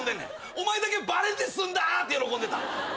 お前だけバレんで済んだって喜んでたん？